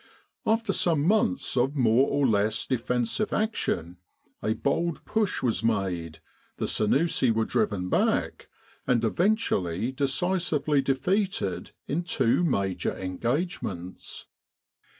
After some months of more or less defensive action, a bold push was made, the Sennussi were driven back, and event ually decisively defeated in two major engagements.